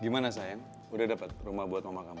gimana sayang udah dapat rumah buat mama kamu